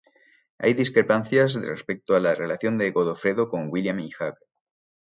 Hay discrepancias respecto a la relación de Godofredo con William y Hugh.